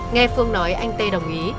nghe phương nói anh t đồng ý